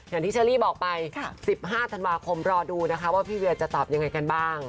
เชอรี่บอกไป๑๕ธันวาคมรอดูนะคะว่าพี่เวียจะตอบยังไงกันบ้าง